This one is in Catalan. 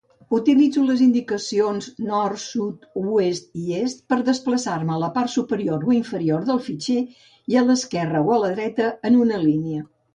Utilitzo les indicacions nord, sud, oest i est per desplaçar-me a la part superior o inferior del fitxer i a l'esquerra o a la dreta en una línia.